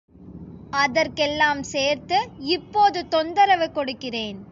அதற்கெல்லாம் சேர்த்து இப்போது தொந்தரவு கொடுக்கிறேன்.